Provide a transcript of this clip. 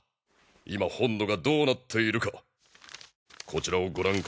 今本土がどうなっているかこちらをご覧ください。